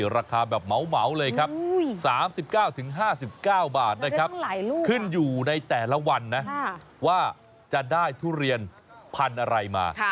ราคาแบบเหมาเลยครับ๓๙๕๙บาทนะครับขึ้นอยู่ในแต่ละวันนะว่าจะได้ทุเรียนพันธุ์อะไรมา